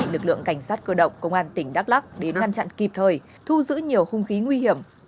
lực lượng cảnh sát cơ động công an tỉnh đắk lắc đến ngăn chặn kịp thời thu giữ nhiều hung khí nguy hiểm